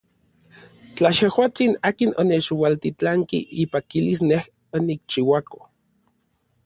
Tla yejuatsin akin onechualtitlanki ipakilis nej onikchiuako.